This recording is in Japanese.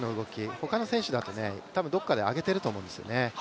他の選手だと多分どこかで上げていると思うんですよね。